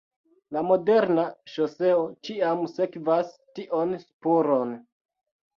La moderna ŝoseo ĉiam sekvas tion spuron.